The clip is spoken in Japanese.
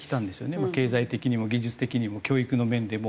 経済的にも技術的にも教育の面でも。